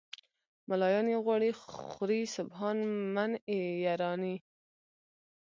"ملایان یې غواړي خوري سبحان من یرانی".